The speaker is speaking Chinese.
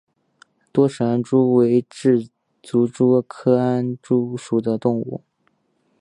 多齿安蛛为栉足蛛科安蛛属的动物。